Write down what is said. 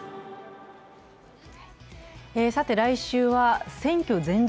来週は選挙前日